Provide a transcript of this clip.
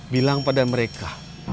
bilang pada mereka